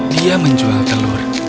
dia menjual telur